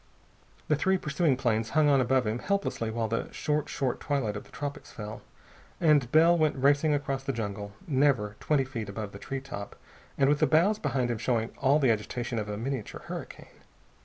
The three pursuing planes hung on above him helplessly while the short, short twilight of the tropics fell, and Bell went racing across the jungle, never twenty feet above the tree top and with the boughs behind him showing all the agitation of a miniature hurricane.